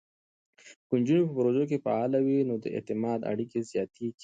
که نجونې په پروژو کې فعاله وي، نو د اعتماد اړیکې زیاتېږي.